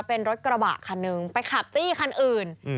เป็นรถกระบะคันหนึ่งไปขับจี้คันอื่น